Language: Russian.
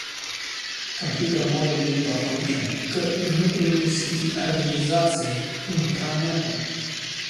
Компьютер может быть подключен к внутренней сети организации – интранету